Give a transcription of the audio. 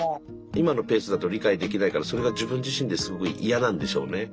今のペースだと理解できないからそれが自分自身ですごい嫌なんでしょうね。